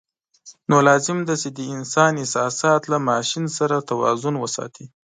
نو لازم ده چې د انسان احساسات له ماشین سره توازن وساتي.